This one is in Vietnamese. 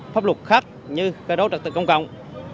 pháp luật khác như cơ đấu trật tự công cộng